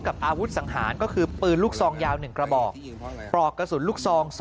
อาวุธสังหารก็คือปืนลูกซองยาว๑กระบอกปลอกกระสุนลูกซอง๒